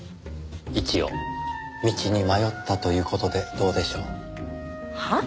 一応道に迷ったという事でどうでしょう？はあ？